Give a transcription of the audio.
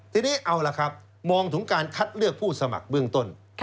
ทีนี้เอาล่ะครับมองถึงการคัดเลือกผู้สมัครเบื้องต้น